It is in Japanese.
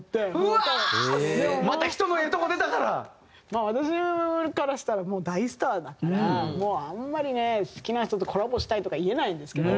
まあ私からしたらもう大スターだからもうあんまりね好きな人とコラボしたいとか言えないんですけど